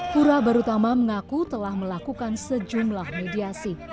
pura barutama mengaku telah melakukan sejumlah mediasi